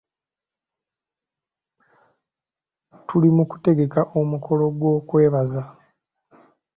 Tuli mu kutegeka omukolo gw'okwebaza.